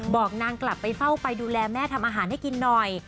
บอกนางกลับไปเฝ้าไปดูแลแม่ทำอาหารให้กินหน่อย